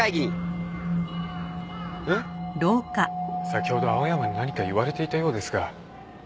先ほど青山に何か言われていたようですが。